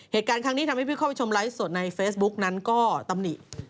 เหตุการณ์ครั้งนี้ทำให้ผู้เข้าไปชมไลฟ์สดในเฟซบุ๊กนั้นก็ตำหนิ